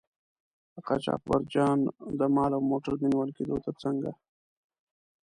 د قاچاقبرجان د مال او موټر د نیول کیدو تر څنګه.